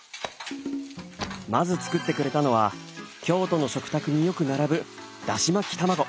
まず作ってくれたのは京都の食卓によく並ぶだし巻き卵。